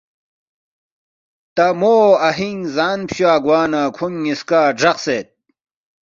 “ تا مو اَہِینگ زان فچوا گوا نہ کھونگ نِ٘یسکا گرَقسید